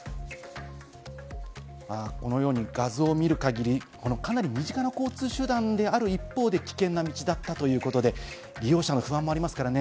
このように画像を見る限り、かなり身近な交通手段である一方で、危険な道だったということで、利用者の不安もありますからね。